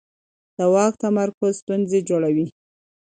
د واک تمرکز ستونزې جوړوي